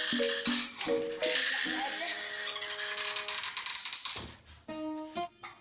kau bisa lihat boundary